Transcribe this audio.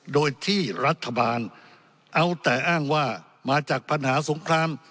โดยที่รัฐบาลเอาแต่อ้างว่ามาจากปัญหาสงคราม